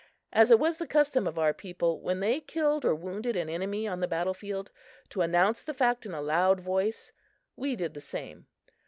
As it was the custom of our people, when they killed or wounded an enemy on the battle field, to announce the act in a loud voice, we did the same.